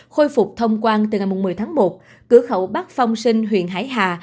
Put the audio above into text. khôi phục thông quan từ ngày một mươi tháng một cửa khẩu bắc phong sinh huyện hải hà